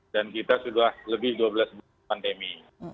dan kita sudah lebih dua belas bulan pandemi